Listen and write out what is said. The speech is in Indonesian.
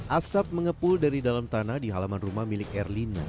asap mengepul dari dalam tanah di halaman rumah milik erlina